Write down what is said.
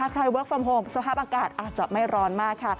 เวิร์คฟอร์มโฮมสภาพอากาศอาจจะไม่ร้อนมากค่ะ